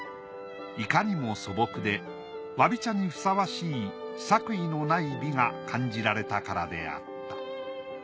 いかにも素朴でわび茶にふさわしい作為のない美が感じられたからであった。